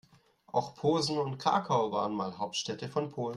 Auch Posen und Krakau waren mal Hauptstädte von Polen.